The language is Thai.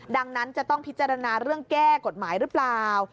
ดังนั้นจะต้องพิจารณาเรื่องแก้กฎหมายหรือเปล่า